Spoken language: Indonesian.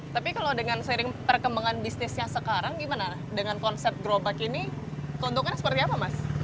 tapi kalau dengan sering perkembangan bisnisnya sekarang gimana dengan konsep gerobak ini keuntungannya seperti apa mas